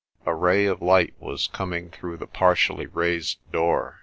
A ray of light was coming through the partially raised door.